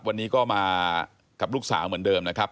วันนี้ก็มากับลูกสาวเหมือนเดิมนะครับ